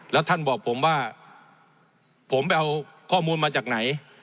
แล้วท่านบอกผมว่าผมไปเอาข้อมูลมาจากไหน